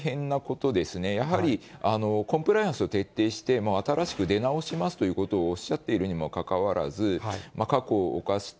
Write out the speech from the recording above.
やはりコンプライアンスを徹底して、新しく出直しますということをおっしゃっているにもかかわらず、過去犯した